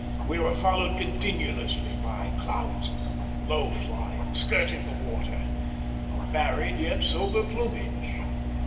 We were followed continuously by clouds of them, low flying, skirting the water, of varied yet sober plumage.